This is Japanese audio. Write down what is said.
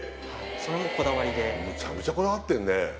それもこだわりでむちゃくちゃこだわってんね